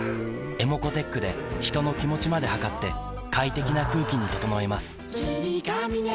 ｅｍｏｃｏーｔｅｃｈで人の気持ちまで測って快適な空気に整えます